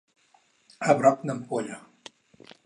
A broc d'ampolla.